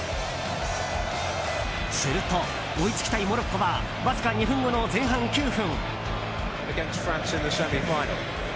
すると、追いつきたいモロッコはわずか２分後の前半９分。